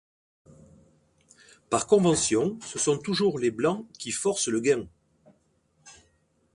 Par convention, ce sont toujours les blancs qui forcent le gain.